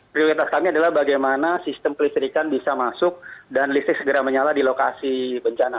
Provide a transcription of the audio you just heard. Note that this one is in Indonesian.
prioritas kami adalah bagaimana sistem pelistrikan bisa masuk dan listrik segera menyala di lokasi bencana